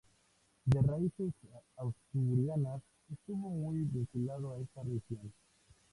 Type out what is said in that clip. De raíces asturianas, estuvo muy vinculado a esta región.